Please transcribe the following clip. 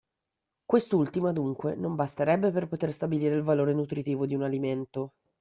Quest'ultima dunque non basterebbe per poter stabilire il valore nutritivo di un alimento.